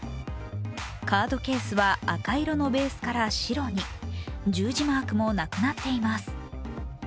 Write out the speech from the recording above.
カードケースは赤色のベースから白に、十字マークもなくなっています。